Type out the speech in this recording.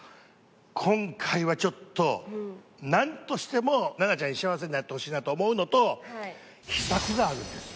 今回はちょっとなんとしても奈々ちゃんに幸せになってほしいなと思うのと秘策があるんですよ。